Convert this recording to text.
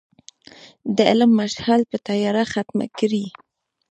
د علم مشعل به تیاره ختمه کړي.